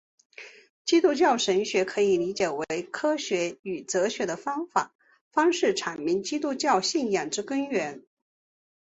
基督教神学可以理解为以科学与哲学的方式阐明基督教信仰之根源。